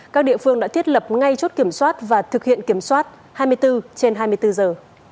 các địa phương đã thiết lập ngay chốt kiểm soát và thực hiện kiểm soát hai mươi bốn trên hai mươi bốn giờ